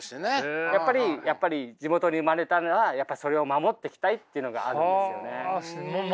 やっぱり地元に生まれたならそれを守っていきたいっていうのがあるんですよね。